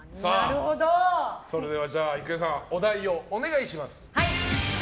それでは郁恵さんお題をお願いします。